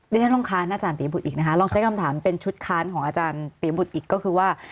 ดิฉันลองค้านอาจารย์ปียบุตรอีกนะคะลองใช้คำถามเป็นชุดค้านของอาจารย์ปียบุตรอีกก็คือว่า